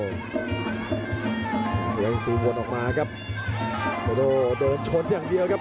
พยายามสู้วนออกมาครับโดเดินชนอย่างเดียวครับ